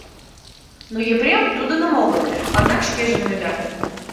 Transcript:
Но Епрем тудыным огыл, ондак шкенжыным ӱда.